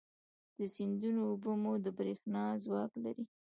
د سیندونو اوبه مو د برېښنا ځواک لري.